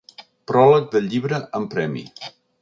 Pròleg de llibre amb premi.